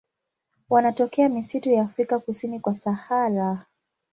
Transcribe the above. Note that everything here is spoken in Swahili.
Wanatokea misitu ya Afrika kusini kwa Sahara.